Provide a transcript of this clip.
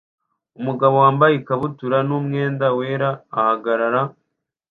Umugabo wambaye ikabutura n'umwenda wera ahagarara